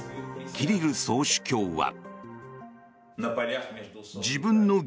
キリル総主教は。